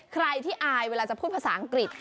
ใครที่อายเวลาจะพูดภาษาอังกฤษ